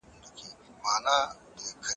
که پلان نه وي نو وسايل ضايع کيږي.